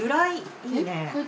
いいねえ。